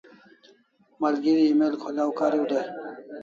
Malgeri email kholaw kariu dai